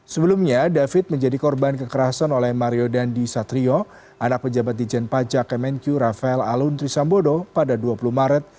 sebelumnya david menjadi korban kekerasan oleh mario dandi satrio anak pejabat di jenpajak kemenkyu rafael aluntri sambodo pada dua puluh maret